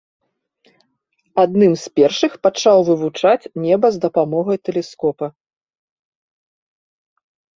Адным з першых пачаў вывучаць неба з дапамогай тэлескопа.